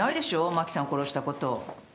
真紀さん殺したことを。